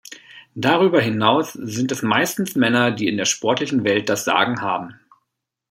Darüber hinaus sind es meistens Männer, die in der sportlichen Welt das Sagen haben.